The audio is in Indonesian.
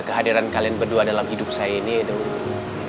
kehadiran kalian berdua dalam hidup saya ini adalah